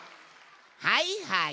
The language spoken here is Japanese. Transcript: はいはい。